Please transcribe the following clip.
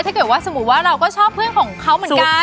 ถ้าเกิดว่าสมมุติว่าเราก็ชอบเพื่อนของเขาเหมือนกัน